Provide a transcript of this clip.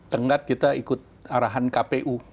tenggat kita ikut arahan kpu